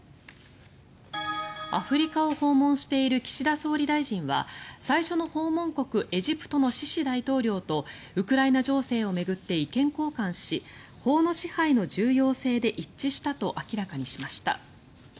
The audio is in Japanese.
アフリカを訪問している岸田総理大臣は最初の訪問国エジプトのシシ大統領とウクライナ情勢を巡って意見交換し法の支配の重要性で一致したと明らかにしました。